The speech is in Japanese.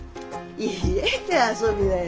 家で遊びなよ。